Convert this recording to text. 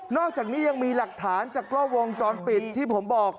อกจากนี้ยังมีหลักฐานจากกล้องวงจรปิดที่ผมบอก